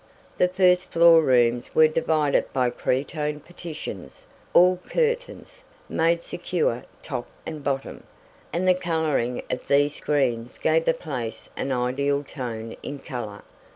The first floor rooms were divided by cretonne partitions, or curtains, made secure top and bottom, and the coloring of these screens gave the place an ideal tone in color.